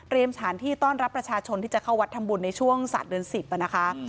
สถานที่ต้อนรับประชาชนที่จะเข้าวัดทำบุญในช่วงศาสตร์เดือน๑๐นะคะ